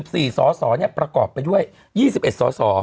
๖๔สสเนี่ยประกอบไปด้วย๒๑สส